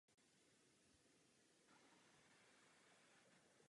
Nyní je čas položit si základní otázku.